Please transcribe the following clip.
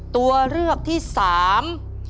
ตัวเลือกที่สาม